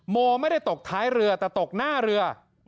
โมไม่ได้ตกท้ายเรือแต่ตกหน้าเรือ